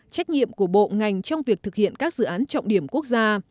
trách nhiệm của bộ ngành trong việc thực hiện các dự án trọng điểm quốc gia